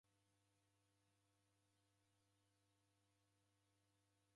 Ugho w'ujuzi gholaghaya.